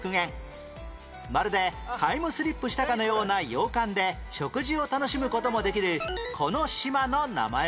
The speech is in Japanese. まるでタイムスリップしたかのような洋館で食事を楽しむ事もできるこの島の名前は？